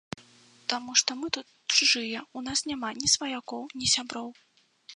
Таму што мы тут чужыя, у нас няма ні сваякоў, ні сяброў.